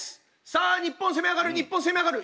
さあ日本攻め上がる日本攻め上がる。